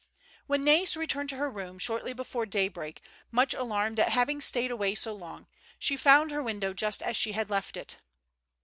When Nais returned to her room shortly before day break, much alarmed at having stayed aAvay so long, she found her window just as she had left it.